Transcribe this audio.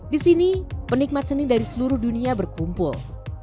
di sini penikmat seni dari seluruh dunia berkumpul